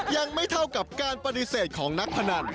ยังไม่เท่ากับการปฏิเสธของนักพนัน